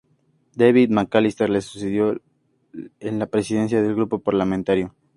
David McAllister le sucedió en la presidencia del grupo parlamentario.